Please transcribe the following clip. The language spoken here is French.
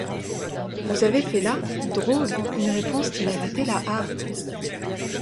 Vous avez fait là, drôle, une réponse qui mériterait la hart!